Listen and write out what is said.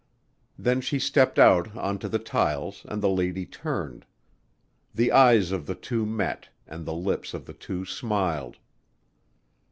Then she stepped out onto the tiles and the lady turned. The eyes of the two met and the lips of the two smiled.